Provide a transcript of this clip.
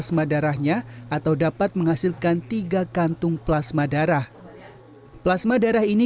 dengan enam ratus ml plasma darahnya atau dapat menghasilkan tiga kantung plasma darah plasma darah ini